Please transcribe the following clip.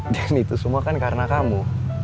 dan itu semua kan karena kamu